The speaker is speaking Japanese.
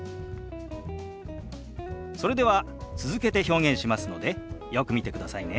それでは続けて表現しますのでよく見てくださいね。